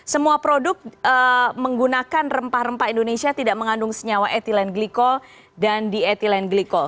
semua produk menggunakan rempah rempah indonesia tidak mengandung senyawa etilen glikol dan dietilen glikol